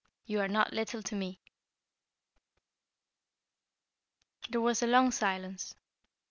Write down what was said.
You are not little to me." There was a long silence.